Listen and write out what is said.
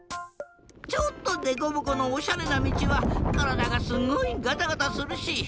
ちょっとデコボコのおしゃれなみちはからだがすごいガタガタするし。